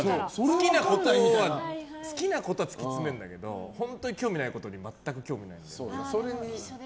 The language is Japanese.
好きなことは突き詰めるんだけど本当に興味がないことは全く興味がない。